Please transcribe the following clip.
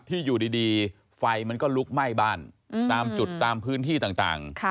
อยู่ดีไฟมันก็ลุกไหม้บ้านตามจุดตามพื้นที่ต่าง